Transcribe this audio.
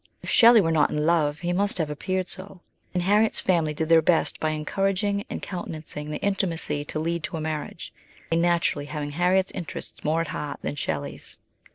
If Shelley were not in love he must have appeared so, and Harriet's family did their best by encouraging and countenancing the intimacy to lead to a marriage, they naturally having Harriet's interests more at heart than Shelley's.